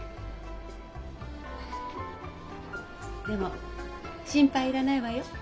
でも心配いらないわよ。